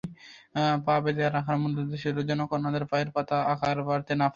পা বেধে রাখার মূল উদ্দেশ্য ছিল যেন কন্যাদের পায়ের পাতা আকার বাড়তে না পারে।